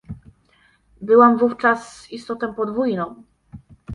Byłam wówczas istotą podwójną.